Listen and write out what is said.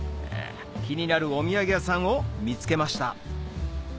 気になるお土産屋さんを見つけました